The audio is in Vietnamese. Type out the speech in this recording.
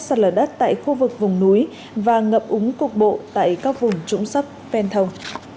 sạt lở đất tại khu vực vùng núi và ngập úng cục bộ tại các vùng trũng thấp ven sông